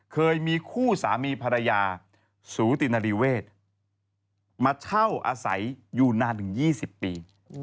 เคยมีคู่สามีภรรยาสูตินริเวศมาเช่าอาศัยอยู่นานถึง๒๐ปี